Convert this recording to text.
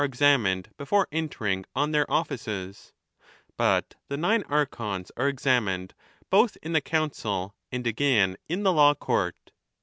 101 amined before entering on their offices) ; but the nine Archons are examined both in the Council and again in the law court.